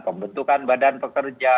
pembentukan badan pekerja